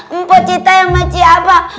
empat cita yang maji apa